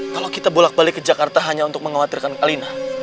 kalau kita bolak balik ke jakarta hanya untuk mengkhawatirkan kalina